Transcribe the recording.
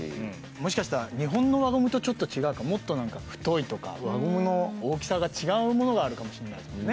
もしかしたら日本の輪ゴムとちょっと違うかもっと何か太いとか輪ゴムの大きさが違うものがあるかもしれないですもんね